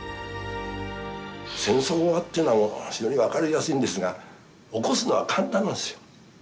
戦争はっていうのはもう非常に分かりやすいんですが起こすのは簡単なんですよ。